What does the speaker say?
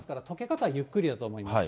とけ方はゆっくりだと思います。